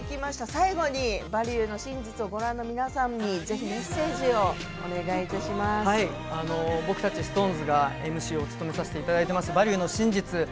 最後に「バリューの真実」をご覧の皆さんにメッセージを僕たちＳｉｘＴＯＮＥＳがＭＣを務めさせていただいている「バリューの真実」。